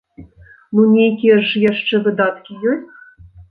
Ну, нейкія ж яшчэ выдаткі ёсць.